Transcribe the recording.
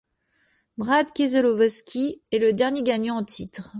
Brad Keselowski est le dernier gagnant en titre.